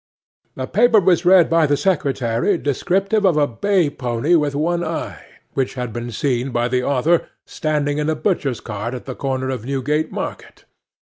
'A paper was read by the secretary descriptive of a bay pony with one eye, which had been seen by the author standing in a butcher's cart at the corner of Newgate Market.